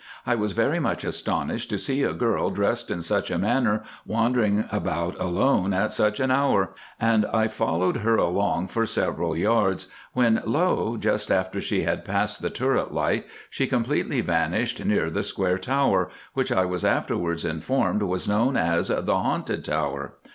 I was very much astonished to see a girl dressed in such a manner wandering about alone at such an hour, and I followed her along for several yards, when lo! just after she had passed the turret light she completely vanished near the square tower, which I was afterwards informed was known as the 'Haunted Tower.